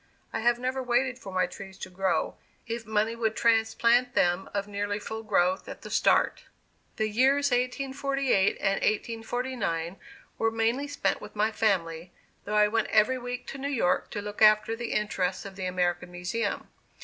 I have never waited for my trees to grow, if money would transplant them of nearly full growth at the start. The years 1848 and 1849 were mainly spent with my family, though I went every week to New York to look after the interests of the American Museum.